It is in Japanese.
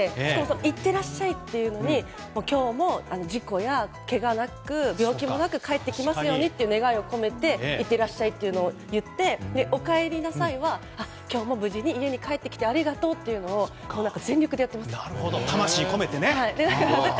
いってらっしゃいというのに今日も、事故やけがなく、病気もなく帰ってきますようにという願いを込めていってらっしゃいというのを言って、おかえりなさいは今日も無事に家に帰ってきてありがとうっていうのを全力でやっています。